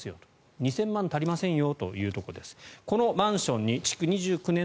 ２０００万円足りませんよと。